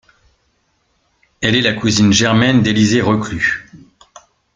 Elle est la cousine germaine d'Élisée Reclus.